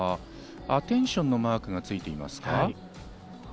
アテンションのマークがついていますか？